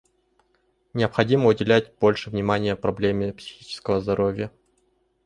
Необходимо уделять больше внимания проблеме психического здоровья.